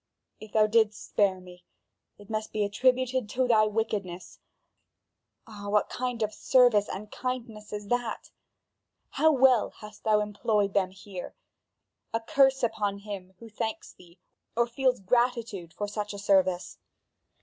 If thou didst spare me, it must be attributed to thy wickedness. Ah, what kind of service and kindness is that! How well hast thou employed them here! A curse upon him who thanks thee or feels gratitude for such a service!